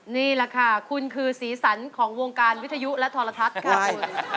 นี่แหละค่ะคุณคือสีสันของวงการวิทยุและโทรทัศน์ค่ะคุณ